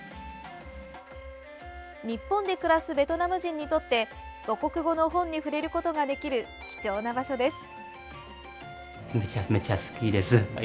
日本で暮らすベトナム人にとって母国語の本に触れることができる貴重な場所です。